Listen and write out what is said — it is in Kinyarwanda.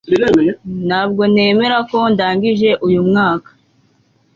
Ntabwo nemera ko ndangije uyu mwaka